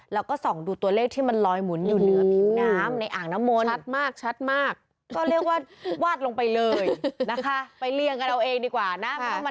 แล้วก็ส่องดูตัวเลขที่มันลอยหมุนอยู่เหนือผิวน้ำ